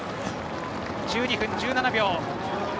１２分１７秒。